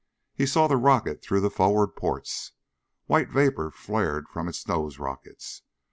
He saw the rocket through the forward ports. White vapor flared from its nose rockets.